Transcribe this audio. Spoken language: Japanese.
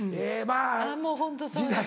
もうホントそう。時代で。